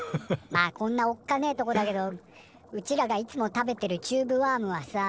まあこんなおっかねえとこだけどうちらがいつも食べてるチューブワームはさ